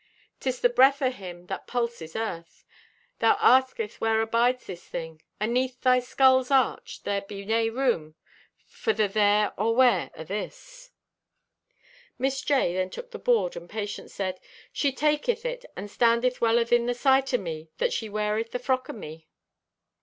'Tis the breath o' Him that pulses earth. Thou asketh where abides this thing. Aneath thy skull's arch there be nay room for the there or where o' this!" Miss J. then took the board and Patience said: "She taketh it she standeth well athin the sight o' me that she weareth the frock o' me."